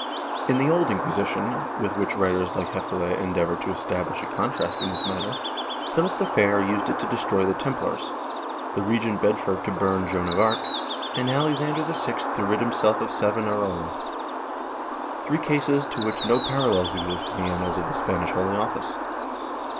In the Old Inquisition, with which writers like Hefele endeavor to establish a contrast in this matter, Philip the Fair used it to destroy the Templars, the Regent Bedford to burn Joan of Arc, and Alexander VI to rid himself of Savonarola — three cases to which no parallels exist in the annals of the Spanish Holy Office.